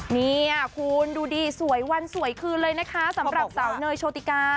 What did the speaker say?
เนี่ยคุณดูดิสวยวันสวยคืนเลยนะคะสำหรับสาวเนยโชติกา